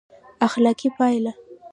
اخلاقي پایله: